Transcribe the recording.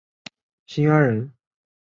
新安人。